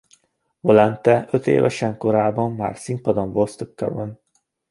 Valente ötévesen korában már színpadon volt Stuttgartban.